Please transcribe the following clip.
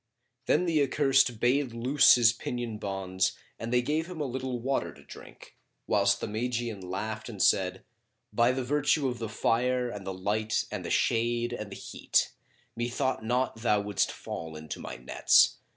Then the accursed bade loose his pinion bonds and they gave him a little water to drink, whilst the Magian laughed and said, "By the virtue of the Fire and the Light and the Shade and the Heat, methought not thou wouldst fall into my nets!